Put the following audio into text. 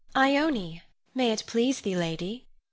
Ione; may it please thee, lady.